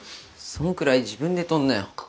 そのくらい自分で取んなよ。